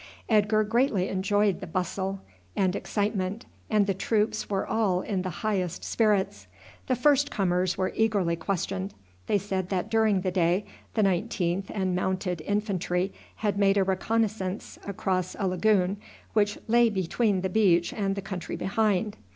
Edgar greatly enjoyed the bustle and excitement, and the troops were all in the highest spirits. The first comers were eagerly questioned. They said that during the day the 19th and Mounted Infantry had made a reconnaissance across a lagoon which lay between the beach and the country behind.